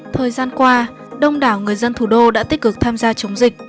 thời gian qua đông đảo người dân thủ đô đã tích cực tham gia chống dịch